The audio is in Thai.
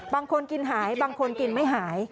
บางคนกินหายบางคนกินไม่หาย